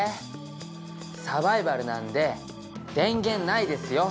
サバイバルなんで電源ないですよ！